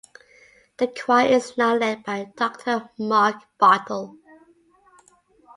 The choir is now led by Doctor Mark Bartel.